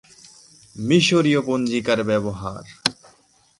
মিশরীয় পঞ্জিকার ব্যবহার।